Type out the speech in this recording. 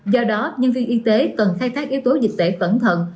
do đó nhân viên y tế cần khai thác yếu tố dịch tễ cẩn thận